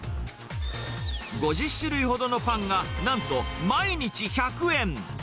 ５０種類ほどのパンが、なんと毎日１００円。